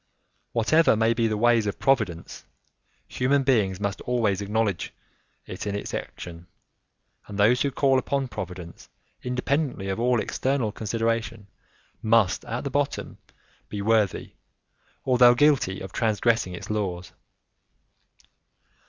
Whatever may be the ways of Providence, human beings must always acknowledge it in its action, and those who call upon Providence independently of all external consideration must, at the bottom, be worthy, although guilty of transgressing its laws.